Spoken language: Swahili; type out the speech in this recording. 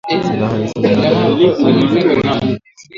Silaha hizo zinadaiwa zilitumika katika mashambulizi